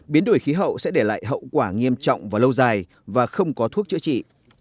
biến đổi khí hậu sẽ để lại hậu quả nghiêm trọng và lâu dài và không có thuốc chữa trị